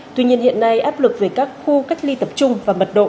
tuy nhiên hiện nay áp lực về các khu cách ly tập trung và mật độ